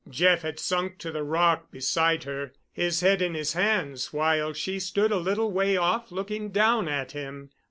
Jeff had sunk to the rock beside her, his head in his hands, while she stood a little way off looking down at him.